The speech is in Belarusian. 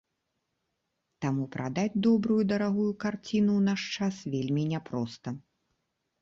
Таму прадаць добрую дарагую карціну ў наш час вельмі няпроста.